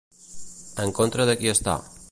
En contra de qui està?